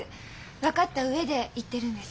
分かった上で言ってるんです。